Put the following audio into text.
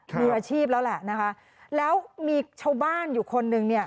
มีอาชีพแล้วแหละนะคะแล้วมีชาวบ้านอยู่คนนึงเนี่ย